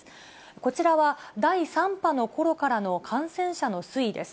こちらは第３波のころからの感染者の推移です。